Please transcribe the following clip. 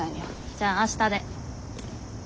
じゃあ明日で。